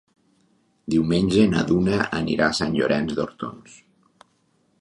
Diumenge na Duna anirà a Sant Llorenç d'Hortons.